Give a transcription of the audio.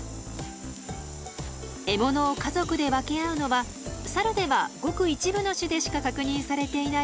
獲物を家族で分け合うのはサルではごく一部の種でしか確認されていない